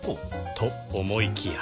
と思いきや